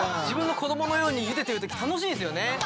自分の子どものようにゆでてる時楽しいんすよね。